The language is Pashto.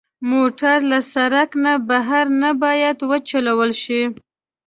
موټر له سړک نه بهر نه باید وچلول شي.